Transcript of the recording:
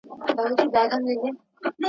پر تېر سوى دئ ناورين د زورورو.